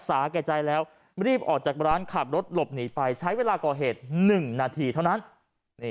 สาแก่ใจแล้วรีบออกจากร้านขับรถหลบหนีไปใช้เวลาก่อเหตุ๑นาทีเท่านั้น